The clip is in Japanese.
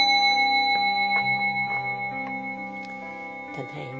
ただいま。